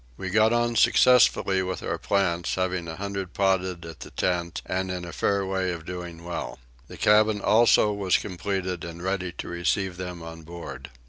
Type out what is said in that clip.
We got on successfully with our plants, having a hundred potted at the tent and in a fair way of doing well. The cabin also was completed and ready to receive them on board.